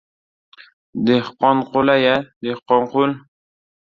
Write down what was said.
— Dehqonqul-ay, Dehqonqul!..